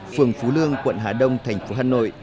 phường phú lương quận hà đông thành phố hà nội